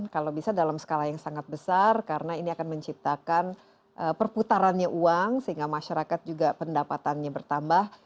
kalau bisa dalam skala yang sangat besar karena ini akan menciptakan perputarannya uang sehingga masyarakat juga pendapatannya bertambah